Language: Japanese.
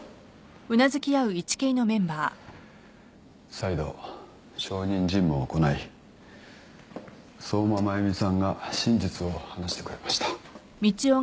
再度証人尋問を行い相馬真弓さんが真実を話してくれました。